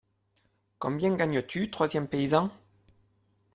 Combien gagnes-tu ? troisième paysan.